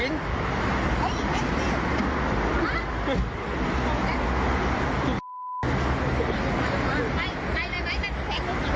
เดี๋ยว